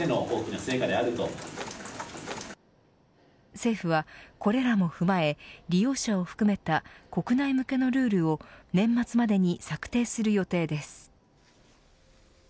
政府はこれらも踏まえ利用者を含めた国内向けのルールを年末までに策定する予定です。